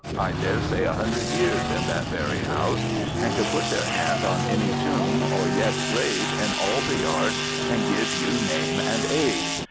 I daresay a hundred years in that very house, and could put their hand on any tomb or yet grave in all the yard and give you name and age.